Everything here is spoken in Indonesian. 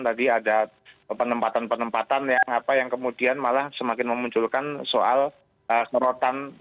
tadi ada penempatan penempatan yang kemudian malah semakin memunculkan soal serotan